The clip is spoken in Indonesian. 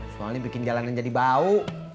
soalnya bikin jalanan jadi bau